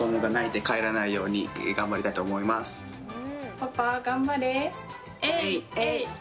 パパ、頑張れ！